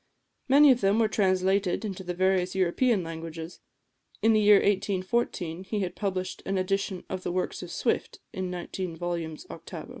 Many of them were translated into the various European languages. In the year 1814 he had published an edition of the works of Swift, in nineteen volumes octavo.